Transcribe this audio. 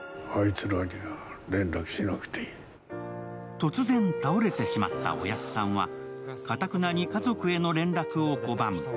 突然倒れてしまったおやっさんはかたくなに家族への連絡を拒む。